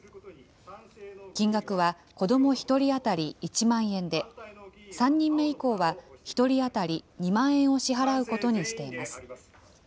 金額は子ども１人当たり１万円で、３人目以降は１人当たり２万円を支払うことにしています。